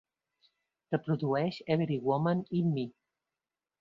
Reprodueix Every Woman In Me